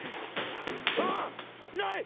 あっない！